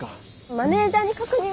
マネージャーに確認を。